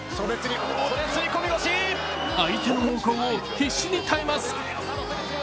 相手の猛攻を必死に耐えます。